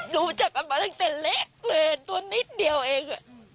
ดูจากกันมาตั้งแต่เละเกรดตัวนิดเดียวเอง